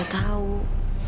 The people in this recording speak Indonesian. pasti belum datang